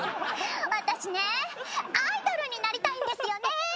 私ねアイドルになりたいんですよね。